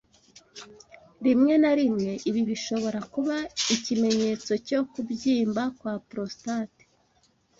Rimwe na rimwe ibi bishobora kuba ikimenyetso cyo kubyimba kwa prostate